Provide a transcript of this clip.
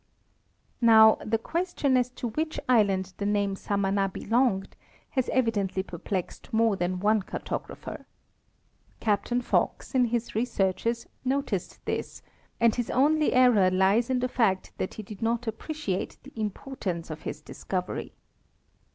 Now the question as to which island the name Samana belonged has evidently perplexed more than one cartographer. Captain Fox, in his researches, noticed this, and his only error lies in the fact that he did not appreciate the importance of his discoy ery.